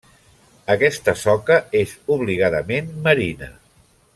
Aquesta soca és obligadament marina.